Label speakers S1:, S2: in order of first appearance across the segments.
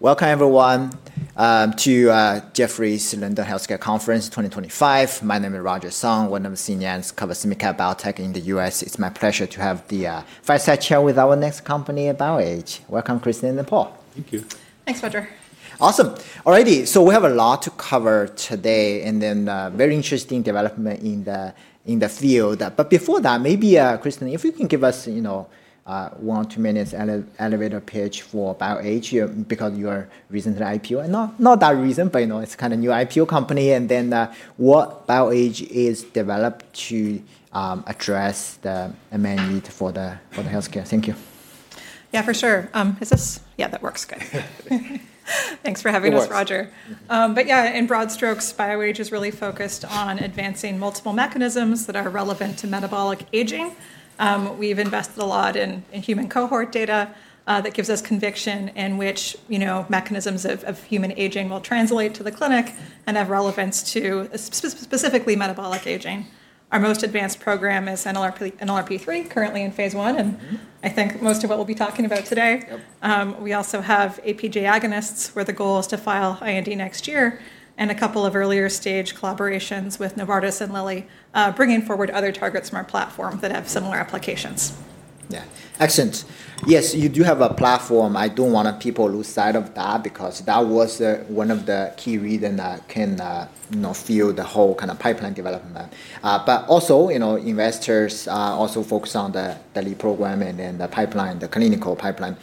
S1: Welcome, everyone, to Jefferies Lending Healthcare Conference 2025. My name is Roger Song, one of the senior analysts covering BioAge Labs in the U.S. It's my pleasure to have the fireside chat with our next company, BioAge. Welcome, Kristen and Paul.
S2: Thank you.
S3: Thanks, Roger.
S1: Awesome. Alrighty, so we have a lot to cover today, and then very interesting development in the field. Before that, maybe Kristen, if you can give us one or two minutes and an elevator pitch for BioAge because you are recently IPO, and not that recent, but it's kind of a new IPO company. What BioAge is developed to address the main need for the healthcare. Thank you.
S3: Yeah, for sure. Is this? Yeah, that works good. Thanks for having us, Roger. Yeah, in broad strokes, BioAge is really focused on advancing multiple mechanisms that are relevant to metabolic aging. We've invested a lot in human cohort data that gives us conviction in which mechanisms of human aging will translate to the clinic and have relevance to specifically metabolic aging. Our most advanced program is NLRP3, currently in phase one, and I think most of what we'll be talking about today. We also have APJ agonists, where the goal is to file IND next year, and a couple of earlier stage collaborations with Novartis and Lilly, bringing forward other targets from our platform that have similar applications.
S1: Yeah, excellent. Yes, you do have a platform. I do not want people to lose sight of that because that was one of the key reasons that can fuel the whole kind of pipeline development. Also, investors also focus on the lead program and then the pipeline, the clinical pipeline.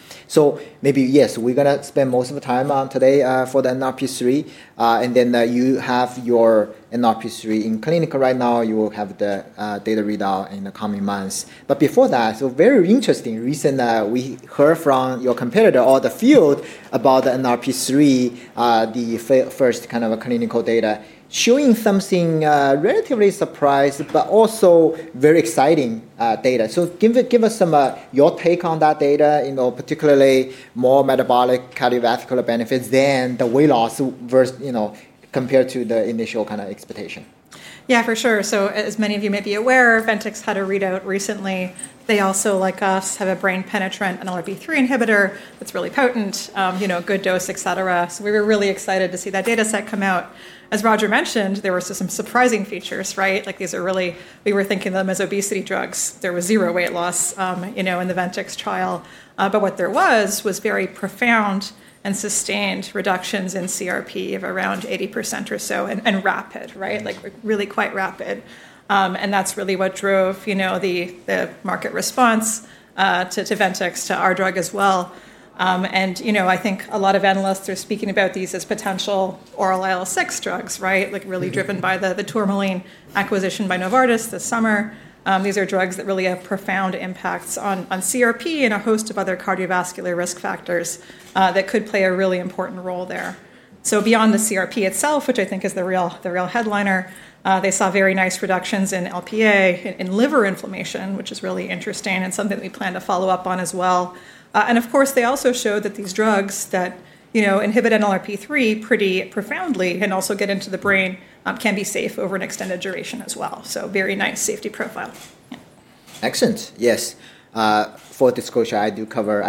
S1: Maybe, yes, we are going to spend most of the time today for the NLRP3. You have your NLRP3 in clinical right now. You will have the data readout in the coming months. Before that, very interesting, recently we heard from your competitor or the field about the NLRP3, the first kind of clinical data showing something relatively surprising, but also very exciting data. Give us your take on that data, particularly more metabolic cardiovascular benefits than the weight loss versus compared to the initial kind of expectation.
S3: Yeah, for sure. As many of you may be aware, Ventyx had a readout recently. They also, like us, have a brain-penetrant NLRP3 inhibitor that's really potent, good dose, etc. We were really excited to see that data set come out. As Roger mentioned, there were some surprising features, right? Like these are really, we were thinking of them as obesity drugs. There was zero weight loss in the Ventyx trial. What there was was very profound and sustained reductions in CRP of around 80% or so and rapid, right? Like really quite rapid. That's really what drove the market response to Ventyx, to our drug as well. I think a lot of analysts are speaking about these as potential oral IL-6 drugs, right? Like really driven by the Tourmaline acquisition by Novartis this summer. These are drugs that really have profound impacts on CRP and a host of other cardiovascular risk factors that could play a really important role there. Beyond the CRP itself, which I think is the real headliner, they saw very nice reductions in LPA, in liver inflammation, which is really interesting and something we plan to follow up on as well. Of course, they also showed that these drugs that inhibit NLRP3 pretty profoundly and also get into the brain can be safe over an extended duration as well. Very nice safety profile.
S1: Excellent. Yes. For disclosure, I did cover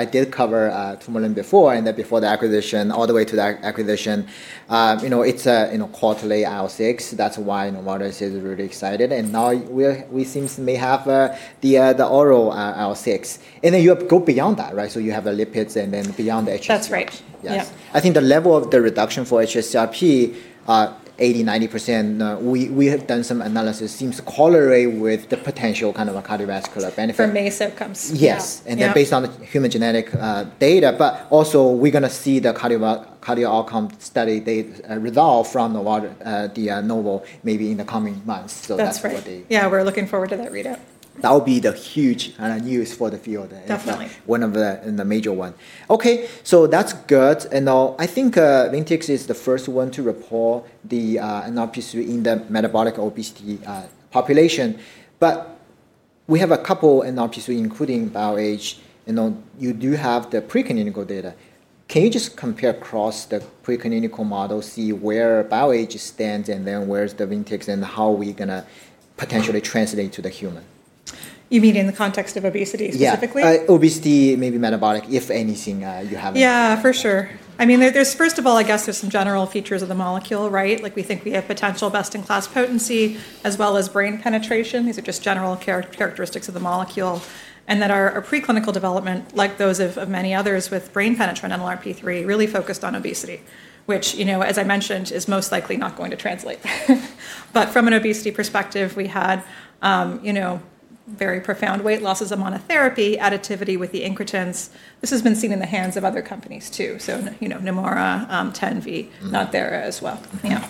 S1: Tourmaline before and then before the acquisition, all the way to the acquisition. It is a quarterly IL-6. That is why Novartis is really excited. Now we seem to may have the oral IL-6. You go beyond that, right? You have the lipids and then beyond the HSCRP.
S3: That's right.
S1: Yes. I think the level of the reduction for HSCRP, 80%-90%, we have done some analysis, seems to correlate with the potential kind of cardiovascular benefit.
S3: For MACE outcomes.
S1: Yes. And then based on the human genetic data, but also we're going to see the cardio outcome study result from Novo maybe in the coming months.
S3: That's right.
S1: That's what they.
S3: Yeah, we're looking forward to that readout.
S1: That will be the huge news for the field.
S3: Definitely.
S1: One of the major ones. Okay, so that's good. I think Ventyx is the first one to report the NLRP3 in the metabolic obesity population. We have a couple of NLRP3, including BioAge. You do have the preclinical data. Can you just compare across the preclinical model, see where BioAge stands and then where's the Ventyx and how are we going to potentially translate to the human?
S3: You mean in the context of obesity specifically?
S1: Yeah, obesity, maybe metabolic, if anything you have.
S3: Yeah, for sure. I mean, there's first of all, I guess there's some general features of the molecule, right? Like we think we have potential best-in-class potency as well as brain penetration. These are just general characteristics of the molecule. In our preclinical development, like those of many others with brain-penetrant NLRP3, we really focused on obesity, which, as I mentioned, is most likely not going to translate. From an obesity perspective, we had very profound weight losses among a therapy, additivity with the incretins. This has been seen in the hands of other companies too. So, Nemoura, [Ten V], not there as well. Yeah.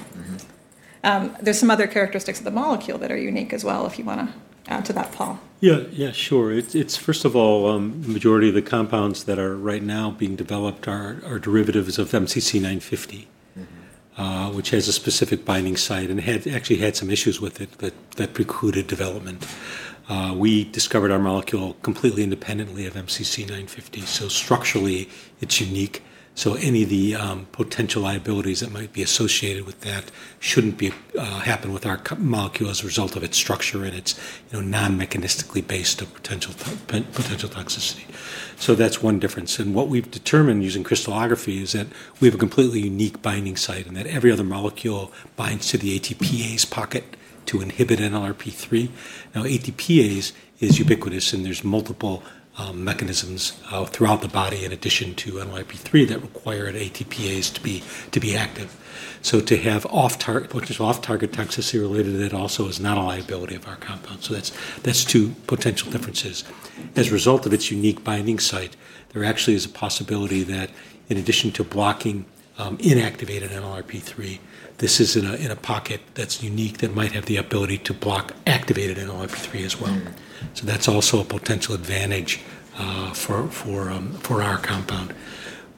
S3: There's some other characteristics of the molecule that are unique as well if you want to add to that, Paul.
S2: Yeah, yeah, sure. First of all, the majority of the compounds that are right now being developed are derivatives of MCC950, which has a specific binding site and actually had some issues with it that precluded development. We discovered our molecule completely independently of MCC950. Structurally, it's unique. Any of the potential liabilities that might be associated with that should not happen with our molecule as a result of its structure and its non-mechanistically based potential toxicity. That is one difference. What we've determined using crystallography is that we have a completely unique binding site and that every other molecule binds to the ATPase pocket to inhibit NLRP3. Now, ATPase is ubiquitous and there are multiple mechanisms throughout the body in addition to NLRP3 that require ATPase to be active. To have off-target toxicity related to that also is not a liability of our compound. That is two potential differences. As a result of its unique binding site, there actually is a possibility that in addition to blocking inactivated NLRP3, this is in a pocket that is unique that might have the ability to block activated NLRP3 as well. That is also a potential advantage for our compound.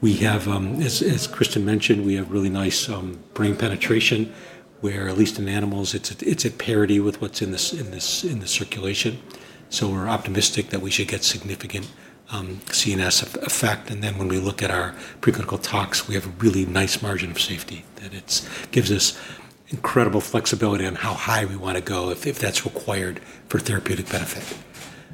S2: We have, as Kristen mentioned, really nice brain penetration where at least in animals, it is at parity with what is in the circulation. We are optimistic that we should get significant CNS effect. When we look at our preclinical tox, we have a really nice margin of safety that gives us incredible flexibility on how high we want to go if that is required for therapeutic benefit.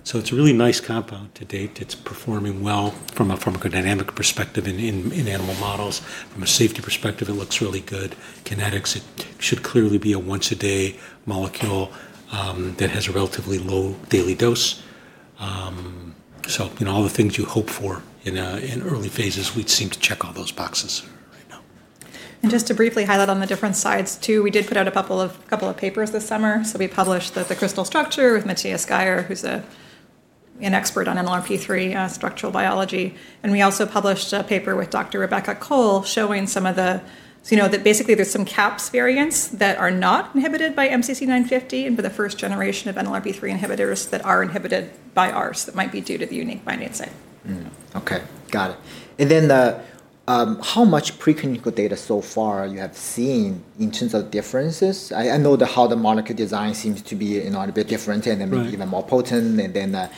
S2: It is a really nice compound to date. It is performing well from a pharmacodynamic perspective in animal models. From a safety perspective, it looks really good. Kinetics, it should clearly be a once-a-day molecule that has a relatively low daily dose. All the things you hope for in early phases, we'd seem to check all those boxes right now.
S3: Just to briefly highlight on the different sides too, we did put out a couple of papers this summer. We published the crystal structure with Matthias Geyer, who's an expert on NLRP3 structural biology. We also published a paper with Dr. Rebecca Cole showing some of the, so you know that basically there's some CAPS variants that are not inhibited by MCC950 and for the first generation of NLRP3 inhibitors that are inhibited by ours that might be due to the unique binding site.
S1: Okay, got it. How much preclinical data so far you have seen in terms of differences? I know that how the molecule design seems to be a bit different and then maybe even more potent and then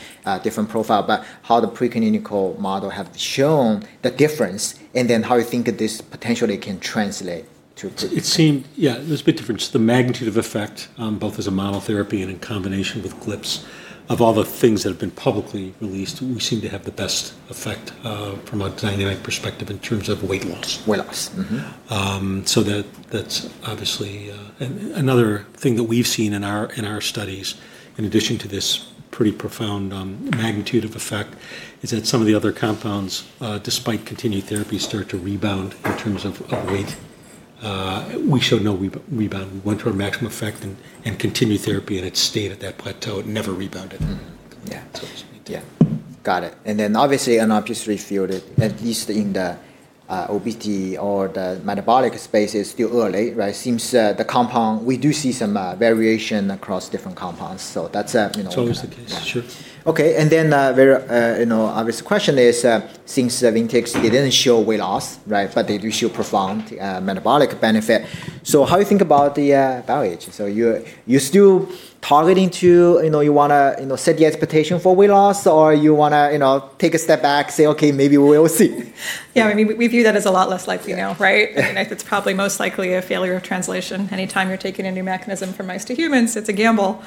S1: different profile, but how the preclinical model has shown the difference and then how you think this potentially can translate to.
S2: It seemed, yeah, there's a bit of difference. The magnitude of effect, both as a monotherapy and in combination with GLPs, of all the things that have been publicly released, we seem to have the best effect from a dynamic perspective in terms of weight loss.
S1: Weight loss.
S2: That's obviously another thing that we've seen in our studies, in addition to this pretty profound magnitude of effect, is that some of the other compounds, despite continued therapy, start to rebound in terms of weight. We showed no rebound. We went to our maximum effect and continued therapy and it stayed at that plateau. It never rebounded.
S1: Yeah, got it. Obviously, NLRP3 field, at least in the obesity or the metabolic space, it's still early, right? Seems the compound, we do see some variation across different compounds. So that's.
S2: It's always the case, sure.
S1: Okay. Obviously the question is, since Ventyx did not show weight loss, right, but they do show profound metabolic benefit. How do you think about the BioAge? You are still targeting to, you want to set the expectation for weight loss or you want to take a step back, say, okay, maybe we will see.
S3: Yeah, I mean, we view that as a lot less likely now, right? I mean, it's probably most likely a failure of translation. Anytime you're taking a new mechanism from mice to humans, it's a gamble.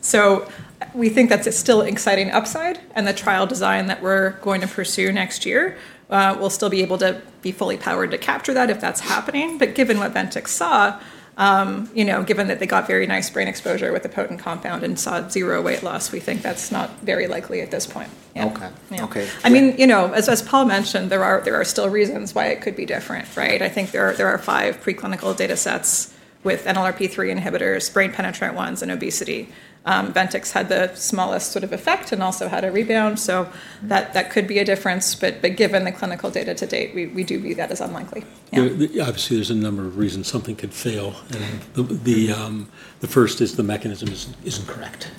S3: So we think that's still exciting upside and the trial design that we're going to pursue next year will still be able to be fully powered to capture that if that's happening. Given what Ventyx saw, given that they got very nice brain exposure with a potent compound and saw zero weight loss, we think that's not very likely at this point.
S1: Okay.
S3: I mean, as Paul mentioned, there are still reasons why it could be different, right? I think there are five preclinical data sets with NLRP3 inhibitors, brain-penetrant ones, and obesity. Ventyx had the smallest sort of effect and also had a rebound. That could be a difference, but given the clinical data to date, we do view that as unlikely.
S2: Obviously, there's a number of reasons something could fail. The first is the mechanism isn't correct.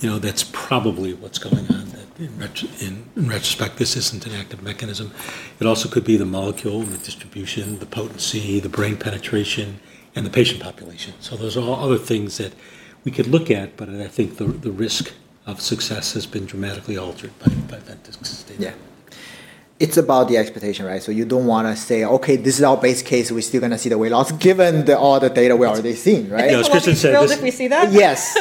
S2: That's probably what's going on. In retrospect, this isn't an active mechanism. It also could be the molecule, the distribution, the potency, the brain penetration, and the patient population. There's all other things that we could look at, but I think the risk of success has been dramatically altered by Ventyx's data.
S1: Yeah. It's about the expectation, right? So you don't want to say, okay, this is our base case. We're still going to see the weight loss given all the data. Where are they seen, right?
S2: Kristen said.
S3: We're still looking to see that?
S1: Yes.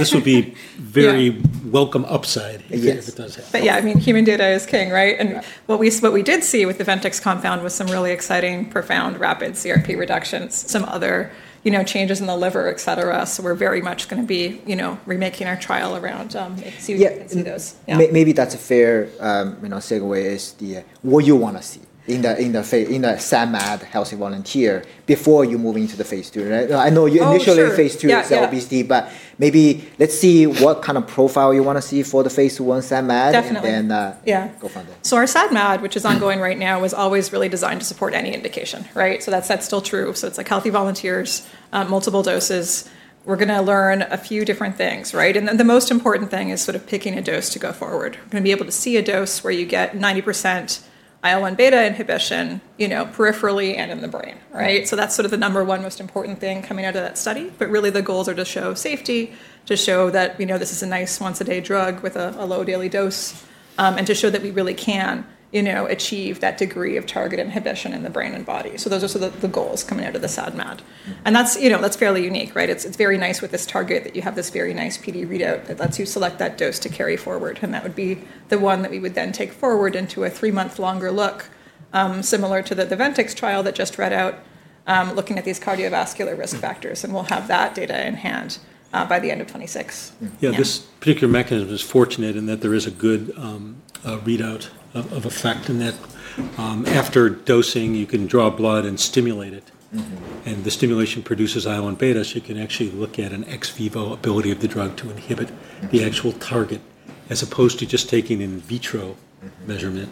S2: This would be very welcome upside if it does happen.
S3: Yeah, I mean, human data is king, right? And what we did see with the Ventyx compound was some really exciting, profound, rapid CRP reductions, some other changes in the liver, etc. So we're very much going to be remaking our trial around it seems to be those.
S1: Maybe that's a fair segue is what you want to see in the SAD/MAD healthy volunteer before you move into the phase II, right? I know initially phase II is obesity, but maybe let's see what kind of profile you want to see for the phase I SAD/MAD.
S3: Definitely.
S1: Go from there.
S3: Our SAD/MAD, which is ongoing right now, was always really designed to support any indication, right? That is still true. It is healthy volunteers, multiple doses. We are going to learn a few different things, right? The most important thing is sort of picking a dose to go forward. We are going to be able to see a dose where you get 90% IL-1 beta inhibition peripherally and in the brain, right? That is the number one most important thing coming out of that study. Really, the goals are to show safety, to show that this is a nice once-a-day drug with a low daily dose, and to show that we really can achieve that degree of target inhibition in the brain and body. Those are the goals coming out of the SAD/MAD. That is fairly unique, right? It's very nice with this target that you have this very nice PD readout that lets you select that dose to carry forward. That would be the one that we would then take forward into a three-month longer look, similar to the Ventyx trial that just read out, looking at these cardiovascular risk factors. We'll have that data in hand by the end of 2026.
S2: Yeah, this particular mechanism is fortunate in that there is a good readout of effect in that after dosing, you can draw blood and stimulate it. The stimulation produces IL-1 beta, so you can actually look at an ex vivo ability of the drug to inhibit the actual target as opposed to just taking an in vitro measurement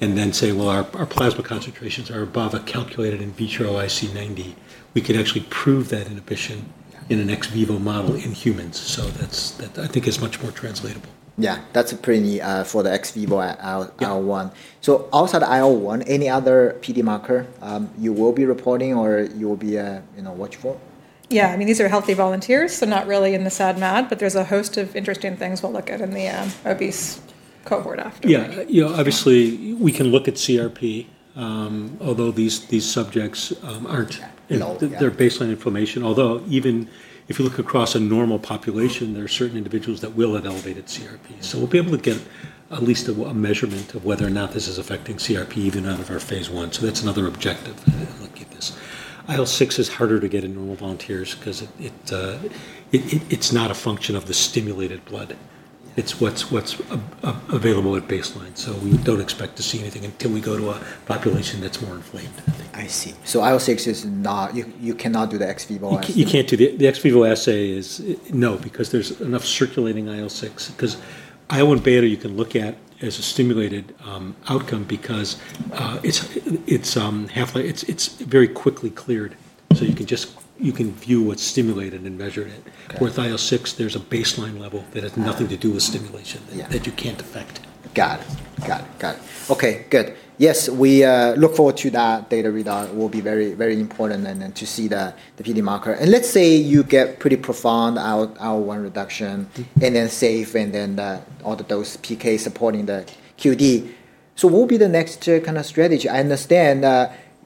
S2: and then say, well, our plasma concentrations are above a calculated in vitro IC90. We could actually prove that inhibition in an ex vivo model in humans. That I think is much more translatable.
S1: Yeah, that's a pretty neat for the ex vivo IL-1. So outside of IL-1, any other PD marker you will be reporting or you will be watchful?
S3: Yeah, I mean, these are healthy volunteers, so not really in the SAD/MAD, but there's a host of interesting things we'll look at in the obese cohort after.
S2: Yeah, obviously we can look at CRP, although these subjects aren't in their baseline inflammation. Although even if you look across a normal population, there are certain individuals that will have elevated CRP. We will be able to get at least a measurement of whether or not this is affecting CRP even out of our phase one. That is another objective to look at this. IL-6 is harder to get in normal volunteers because it is not a function of the stimulated blood. It is what is available at baseline. We do not expect to see anything until we go to a population that is more inflamed.
S1: I see. So IL-6 is not, you cannot do the ex vivo assay?
S2: You can't do the ex vivo assay, no, because there's enough circulating IL-6. Because IL-1 beta you can look at as a stimulated outcome because it's very quickly cleared. You can view what's stimulated and measure it. With IL-6, there's a baseline level that has nothing to do with stimulation that you can't affect.
S1: Got it. Okay, good. Yes, we look forward to that data readout. It will be very, very important to see the PD marker. Let's say you get pretty profound IL-1 reduction and then safe and then all the dose PK supporting the QD. What will be the next kind of strategy? I understand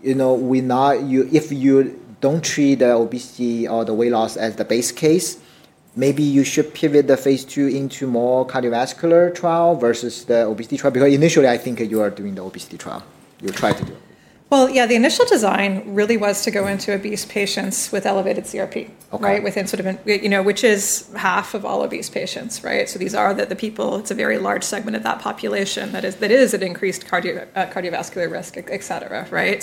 S1: if you do not treat the obesity or the weight loss as the base case, maybe you should pivot the phase two into more cardiovascular trial versus the obesity trial because initially I think you are doing the obesity trial. You'll try to do it.
S3: Yeah, the initial design really was to go into obese patients with elevated CRP, right? Within sort of, which is half of all obese patients, right? These are the people, it's a very large segment of that population that is at increased cardiovascular risk, etc., right?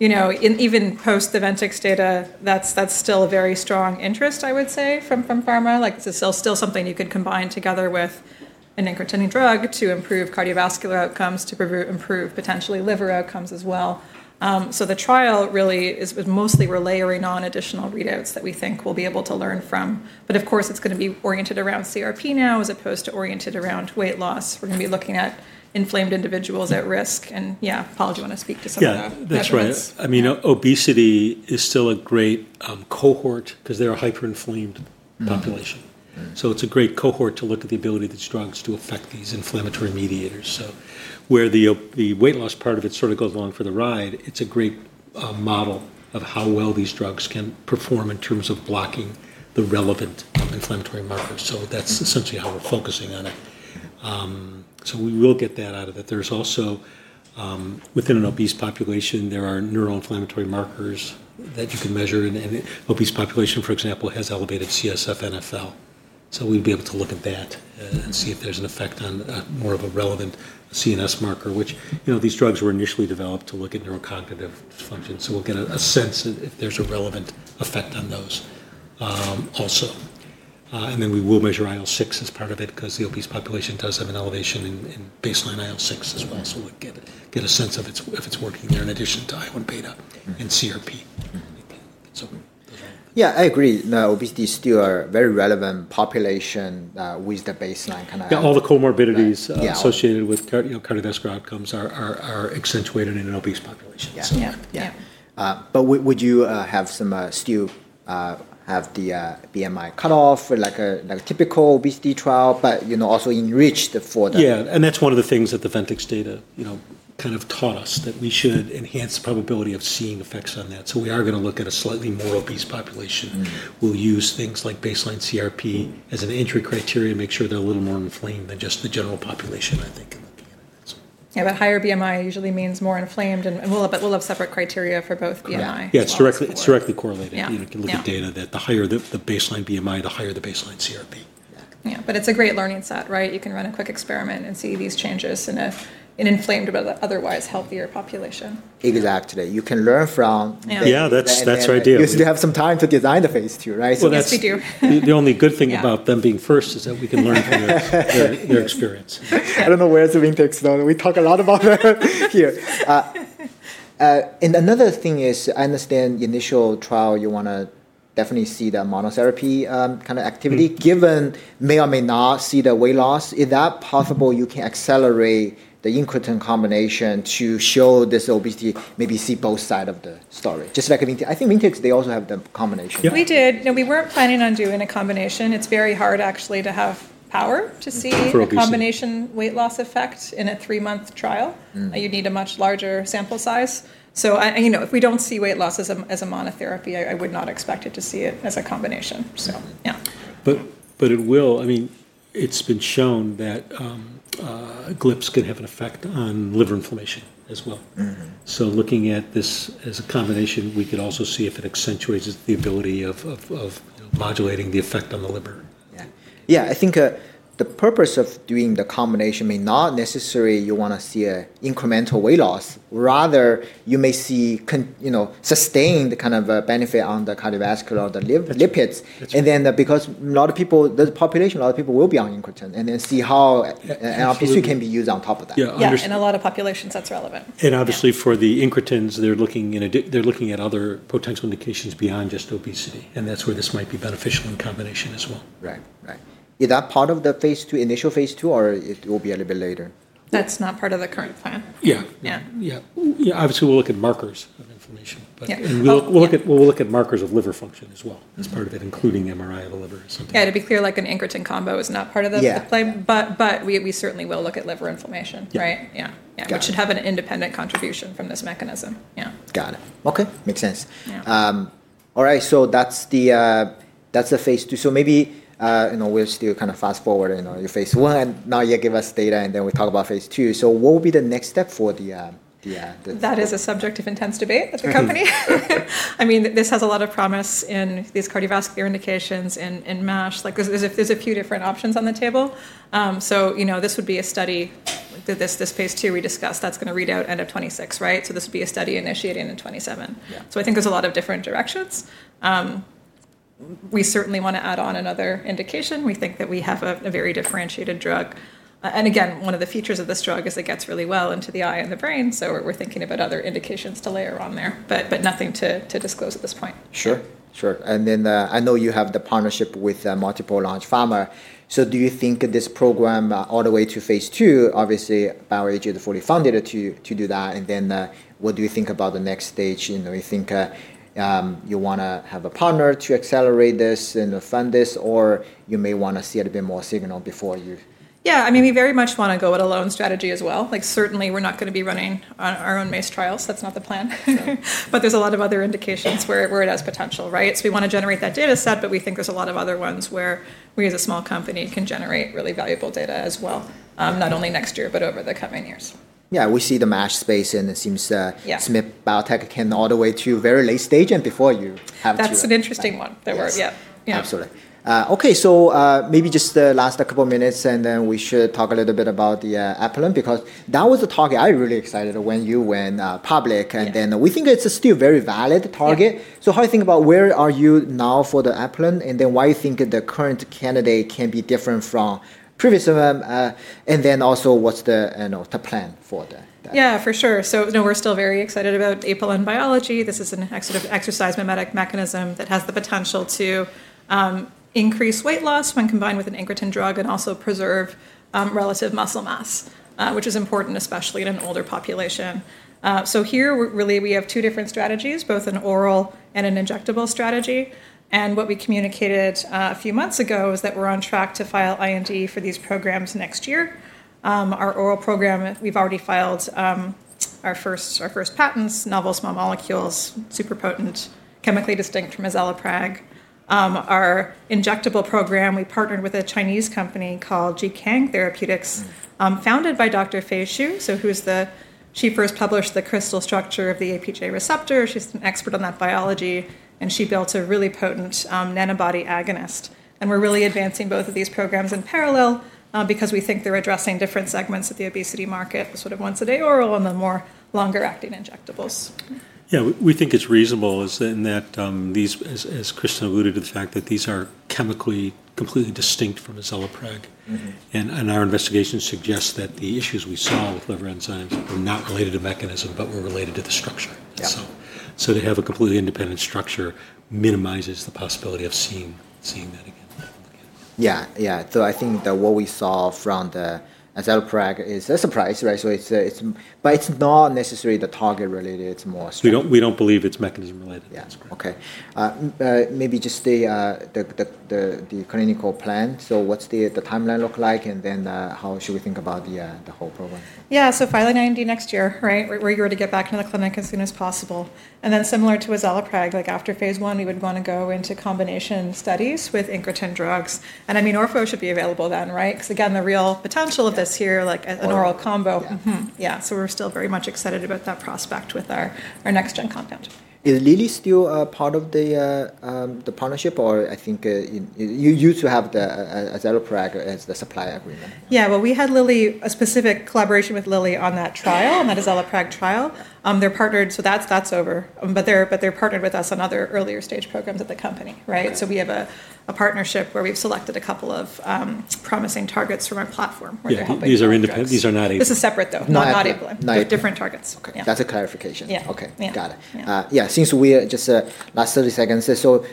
S3: Even post the Ventyx data, that's still a very strong interest, I would say, from pharma. It's still something you could combine together with an incretinic drug to improve cardiovascular outcomes, to improve potentially liver outcomes as well. The trial really is mostly we're layering on additional readouts that we think we'll be able to learn from. Of course, it's going to be oriented around CRP now as opposed to oriented around weight loss. We're going to be looking at inflamed individuals at risk. Yeah, Paul, do you want to speak to some of that?
S2: Yeah, that's right. I mean, obesity is still a great cohort because they're a hyper-inflamed population. It's a great cohort to look at the ability of these drugs to affect these inflammatory mediators. Where the weight loss part of it sort of goes along for the ride, it's a great model of how well these drugs can perform in terms of blocking the relevant inflammatory markers. That's essentially how we're focusing on it. We will get that out of it. There's also, within an obese population, there are neuroinflammatory markers that you can measure. An obese population, for example, has elevated CSF NFL. We'll be able to look at that and see if there's an effect on more of a relevant CNS marker, which these drugs were initially developed to look at neurocognitive function. We'll get a sense if there's a relevant effect on those also. We will measure IL-6 as part of it because the obese population does have an elevation in baseline IL-6 as well. We'll get a sense of if it's working there in addition to IL-1 beta and CRP.
S1: Yeah, I agree. Obesity is still a very relevant population with the baseline kind of.
S2: Yeah, all the comorbidities associated with cardiovascular outcomes are accentuated in an obese population.
S1: Yeah. Would you still have the BMI cutoff like a typical obesity trial, but also enriched for the.
S2: Yeah. That is one of the things that the Ventyx data kind of taught us, that we should enhance the probability of seeing effects on that. We are going to look at a slightly more obese population. We'll use things like baseline CRP as an entry criteria to make sure they're a little more inflamed than just the general population, I think, in looking at it.
S3: Yeah, but higher BMI usually means more inflamed, and we'll have separate criteria for both BMI.
S2: Yeah, it's directly correlated. You can look at data that the higher the baseline BMI, the higher the baseline CRP.
S3: Yeah, but it's a great learning set, right? You can run a quick experiment and see these changes in an inflamed but otherwise healthier population.
S1: Exactly. You can learn from.
S2: Yeah, that's right. You have some time to design the phase II, right?
S3: Yes, we do.
S2: The only good thing about them being first is that we can learn from your experience. I don't know where's the Ventyx. We talk a lot about here.
S1: Another thing is, I understand the initial trial you want to definitely see the monotherapy kind of activity. Given may or may not see the weight loss, if that's possible, you can accelerate the incretin combination to show this obesity, maybe see both sides of the story. Just like I think Ventyx, they also have the combination.
S3: We did. We were not planning on doing a combination. It is very hard actually to have power to see a combination weight loss effect in a three-month trial. You would need a much larger sample size. If we do not see weight loss as a monotherapy, I would not expect to see it as a combination.
S2: I mean, it's been shown that GLPs can have an effect on liver inflammation as well. So looking at this as a combination, we could also see if it accentuates the ability of modulating the effect on the liver.
S1: Yeah, I think the purpose of doing the combination may not necessarily you want to see an incremental weight loss. Rather, you may see sustained kind of benefit on the cardiovascular or the lipids. And then because a lot of people, the population, a lot of people will be on incretin and then see how NLRP3 can be used on top of that.
S3: Yeah, and a lot of populations that's relevant.
S2: Obviously for the incretins, they're looking at other potential indications beyond just obesity. That's where this might be beneficial in combination as well.
S1: Right. Is that part of the phase II, initial phase II, or it will be a little bit later?
S3: That's not part of the current plan.
S2: Yeah. Yeah. Obviously, we'll look at markers of inflammation. And we'll look at markers of liver function as well as part of it, including MRI of the liver.
S3: Yeah, to be clear, like an incretin combo is not part of the plan, but we certainly will look at liver inflammation, right? Yeah. It should have an independent contribution from this mechanism. Yeah.
S1: Got it. Okay. Makes sense. All right, so that's the phase II. Maybe we'll still kind of fast forward your phase I and now you give us data and then we talk about phase II. What will be the next step for the?
S3: That is a subject of intense debate at the company. I mean, this has a lot of promise in these cardiovascular indications in MASH. There are a few different options on the table. This would be a study, this phase two we discussed, that is going to read out end of 2026, right? This would be a study initiating in 2027. I think there are a lot of different directions. We certainly want to add on another indication. We think that we have a very differentiated drug. Again, one of the features of this drug is it gets really well into the eye and the brain. We are thinking about other indications to layer on there, but nothing to disclose at this point.
S1: Sure. Sure. I know you have the partnership with Multiple Launch Pharma. Do you think this program all the way to phase II, obviously, BioAge is fully funded to do that? What do you think about the next stage? You think you want to have a partner to accelerate this and fund this, or you may want to see a little bit more signal before you?
S3: Yeah, I mean, we very much want to go with a loan strategy as well. Certainly, we're not going to be running our own MACE trials. That's not the plan. There are a lot of other indications where it has potential, right? We want to generate that data set, but we think there are a lot of other ones where we as a small company can generate really valuable data as well, not only next year, but over the coming years.
S1: Yeah, we see the MASH space and it seems SMIP BioTech can all the way to very late stage and before you have to.
S3: That's an interesting one that we're, yeah.
S1: Absolutely. Okay, so maybe just the last couple of minutes and then we should talk a little bit about the apelin because that was the target I really got excited about when you went public. I think it's still a very valid target. How do you think about where you are now for the apelin and then why you think the current candidate can be different from previous ones? Also, what's the plan for that?
S3: Yeah, for sure. We're still very excited about apelin biology. This is an exercise mimetic mechanism that has the potential to increase weight loss when combined with an incretin drug and also preserve relative muscle mass, which is important especially in an older population. Here we really have two different strategies, both an oral and an injectable strategy. What we communicated a few months ago is that we're on track to file IND for these programs next year. Our oral program, we've already filed our first patents, novel small molecules, super potent, chemically distinct from azelaprag. Our injectable program, we partnered with a Chinese company called Jiqing Therapeutics, founded by Dr. Fei Xu, who first published the crystal structure of the APJ receptor. She's an expert on that biology, and she built a really potent nanobody agonist. We're really advancing both of these programs in parallel because we think they're addressing different segments of the obesity market, the sort of once-a-day oral and the more longer-acting injectables.
S2: Yeah, we think it's reasonable in that, as Kristen alluded to, the fact that these are chemically completely distinct from azelaprag. Our investigation suggests that the issues we saw with liver enzymes are not related to mechanism, but were related to the structure. To have a completely independent structure minimizes the possibility of seeing that again.
S1: Yeah, yeah. I think that what we saw from the azelaprag is a surprise, right? It is not necessarily target related. It is more.
S2: We don't believe it's mechanism related.
S1: Yeah, that's correct. Okay. Maybe just the clinical plan. What's the timeline look like? And then how should we think about the whole program?
S3: Yeah, so filing IND next year, right? We're here to get back into the clinic as soon as possible. Then similar to azelaprag, like after phase one, we would want to go into combination studies with incretin drugs. I mean, orforglipron should be available then, right? Because again, the real potential of this here, like an oral combo. Yeah, we're still very much excited about that prospect with our next-gen compound.
S1: Is Lilly still part of the partnership? Or I think you used to have the azelaprag as the supply agreement.
S3: Yeah, we had Lilly, a specific collaboration with Lilly on that trial, on that azelaprag trial. They're partnered, so that's over. They're partnered with us on other earlier stage programs at the company, right? We have a partnership where we've selected a couple of promising targets from our platform where they're helping.
S2: Yeah, these are independent.
S3: This is separate though. Not apelin. They're different targets.
S1: That's a clarification. Okay. Got it. Yeah, since we're just last 30 seconds, the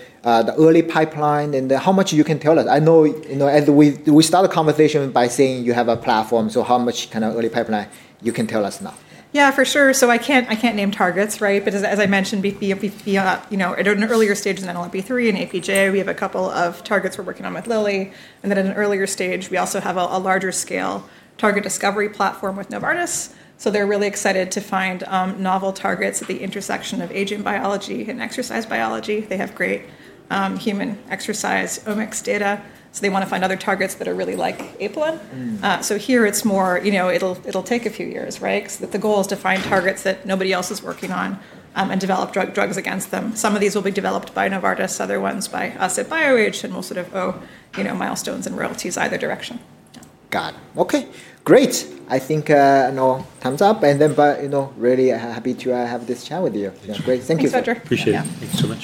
S1: early pipeline and how much you can tell us? I know we started the conversation by saying you have a platform, so how much kind of early pipeline you can tell us now?
S3: Yeah, for sure. I can't name targets, right? As I mentioned, at an earlier stage in NLRP3 and APJ, we have a couple of targets we're working on with Lilly. At an earlier stage, we also have a larger scale target discovery platform with Novartis. They're really excited to find novel targets at the intersection of aging biology and exercise biology. They have great human exercise omics data. They want to find other targets that are really like apelin. Here it's more, it'll take a few years, right? The goal is to find targets that nobody else is working on and develop drugs against them. Some of these will be developed by Novartis, other ones by us at BioAge, and we'll sort of owe milestones and royalties either direction.
S1: Got it. Okay. Great. I think thumbs up. I am really happy to have this chat with you. It's great. Thank you.
S3: Thank you, Roger.
S2: Appreciate it. Thanks so much.